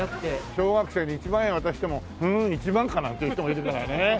小学生に１万円渡しても「ふん１万か」なんていう人もいるからね。